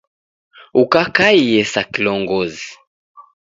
Ukakaiye sa kilongozi